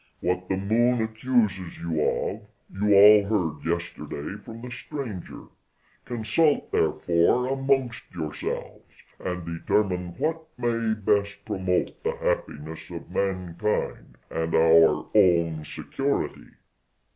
What the Moon accuses you of, you all heard yesterday from the stranger; consult, therefore, amongst yourselves, and determine what may best promote the happiness of mankind, and our own security."